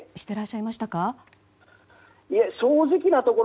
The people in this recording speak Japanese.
いえ、正直なところ